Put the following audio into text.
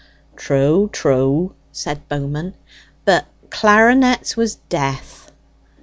("True, true!" said Bowman.) "But clarinets was death."